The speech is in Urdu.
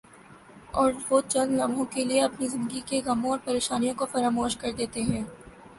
اور وہ چند لمحوں کے لئے اپنی زندگی کے غموں اور پر یشانیوں کو فراموش کر دیتے ہیں ۔